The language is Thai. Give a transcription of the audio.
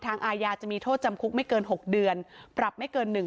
อายาจะมีโทษจำคุกไม่เกิน๖เดือนปรับไม่เกิน๑๐๐